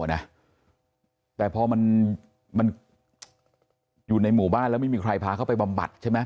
แต่พอมันอยู่ในหมู่บ้านแล้วไม่มีใครพาเขาไปบำบัดใช่ไหม